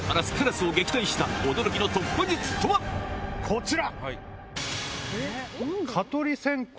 こちら！